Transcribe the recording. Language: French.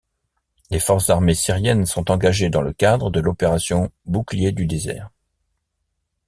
Les forces armées syriennes sont engagées dans le cadre de l'opération Bouclier du désert.